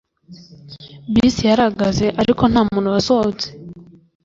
bisi yarahagaze, ariko nta muntu wasohotse